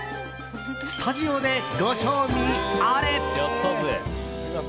スタジオでご賞味あれ。